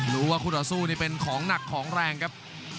รู้ว่าคู่ต่อสู้นี่เป็นของหนักของแรงครับ